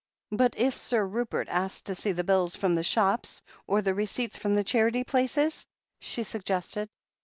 "But if Sir Rupert asks to see the bills from the shops, or the receipts from the charity places?" she suggested.